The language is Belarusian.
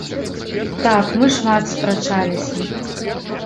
Так, мы шмат спрачаліся.